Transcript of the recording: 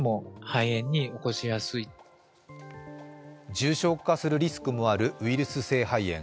重症化するリスクもあるウイルス性肺炎。